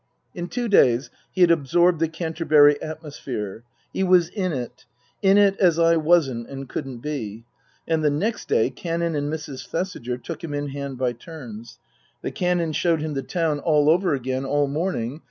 In two days he had absorbed the Canterbury atmosphere. He was in it. In it as I wasn't and couldn't be. And the next day Canon and Mrs. Thesiger took him in hand by turns. The Canon showed him the town all over 138 Tasker Jevons again all morning.